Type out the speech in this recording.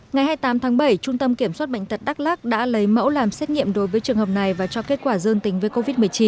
ngày hai mươi tám tháng bảy trung tâm kiểm soát bệnh tật đắk lắc đã lấy mẫu làm xét nghiệm đối với trường hợp này và cho kết quả dương tính với covid một mươi chín